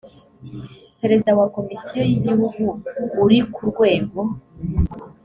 perezida wa komisiyo y igihugu uri ku rwego